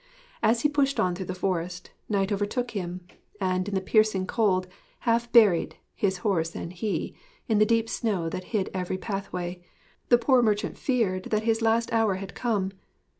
As he pushed on through the forest, night overtook him; and in the piercing cold, half buried his horse and he in the deep snow that hid every pathway, the poor merchant feared that his last hour had come.